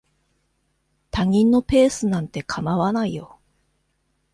他人のペースなんて構わないよ。